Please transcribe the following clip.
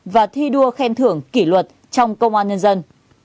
và thi đua khen thưởng kỷ luật trong công an nhân dân